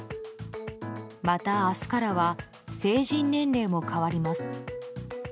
また明日からは成人年齢も変わります。